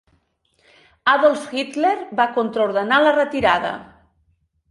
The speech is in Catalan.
Adolf Hitler va contraordenar la retirada.